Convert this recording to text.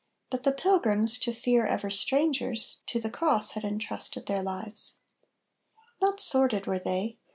But the pilgrims, to fear ever strangers, to the Cross had entrusted their lives. Not sordid were they.